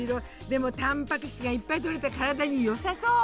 でもたんぱく質がいっぱいとれて体に良さそう。